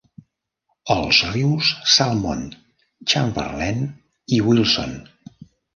Als rius Salmond, Chamberlain i Wilson.